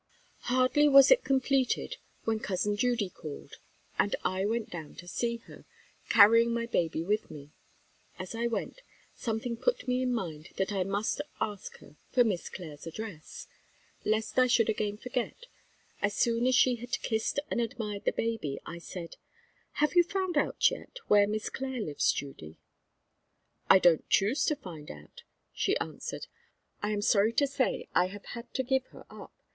Hardly was it completed, when Cousin Judy called, and I went down to see her, carrying my baby with me. As I went, something put me in mind that I must ask her for Miss Clare's address. Lest I should again forget, as soon as she had kissed and admired the baby, I said, "Have you found out yet where Miss Clare lives, Judy?" "I don't choose to find out," she answered. "I am sorry to say I have had to give her up.